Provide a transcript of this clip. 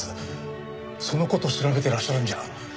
その事調べてらっしゃるんじゃ？